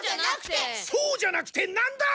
そうじゃなくてなんだ！